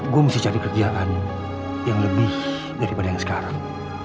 gue mesti cari kerjaan yang lebih daripada yang sekarang